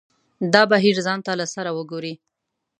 دا بهیر ځان ته له سره وګوري.